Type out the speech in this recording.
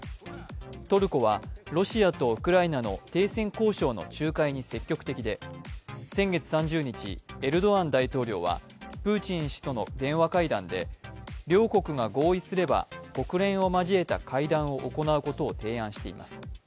トルコはロシアとウクライナの停戦交渉の仲介に積極的で、先月３０日、エルドアン大統領は、プーチン氏との電話会談で両国が合意すれば国連を交えた会談を行うことを提案しています。